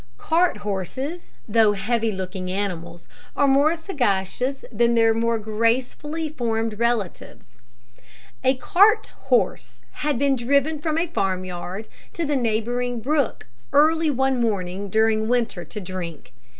Cart horses, though heavy looking animals, are more sagacious that their more gracefully formed relatives. A cart horse had been driven from a farmyard to the neighbouring brook early one morning during winter to drink.